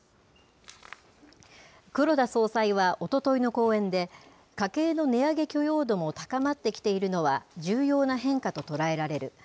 黒田総裁はおとといの講演で、家計の値上げ許容度も高まってきているのは、重要な変化と捉えられる。